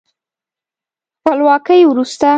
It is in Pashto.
خپلواکۍ وروسته